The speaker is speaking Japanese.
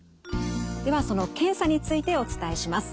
ではその検査についてお伝えします。